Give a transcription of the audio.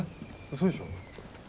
嘘でしょ？